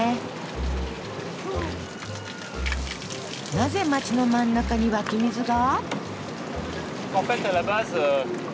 なぜ街の真ん中に湧き水が？